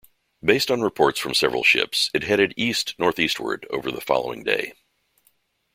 Based on reports from several ships, it headed east-northeastward over the following day.